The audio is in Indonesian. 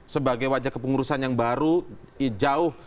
sebagai wajah kepengurusan yang baru jauh